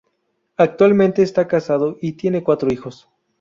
Actualmente esta casado y tienen cuatro hijos.